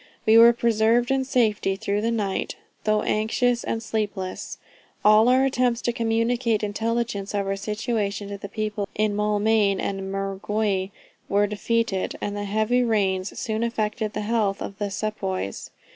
We were preserved in safety through the night, though anxious and sleepless. All our attempts to communicate intelligence of our situation to the people in Maulmain and Mergui were defeated, and the heavy rains soon affected the health of the sepoys.